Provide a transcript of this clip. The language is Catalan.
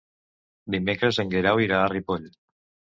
Dimecres en Guerau irà a Ripoll.